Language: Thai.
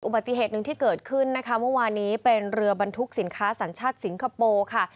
ปฏิเหตุหนึ่งที่เกิดขึ้นนะคะเมื่อวานนี้เป็นเรือบรรทุกสินค้าสัญชาติสิงคโปร์ค่ะ